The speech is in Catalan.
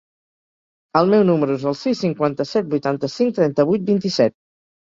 El meu número es el sis, cinquanta-set, vuitanta-cinc, trenta-vuit, vint-i-set.